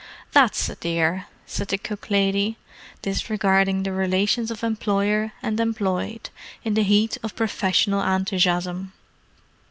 "That's a dear," said the cook lady, disregarding the relations of employer and employed, in the heat of professional enthusiasm.